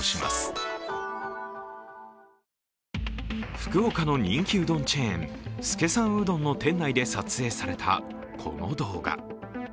福岡の人気うどんチェーン、資さんうどんの店内で撮影されたこの動画。